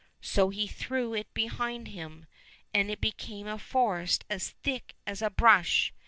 — So he threw it behind him, and it became a forest as thick as a brush.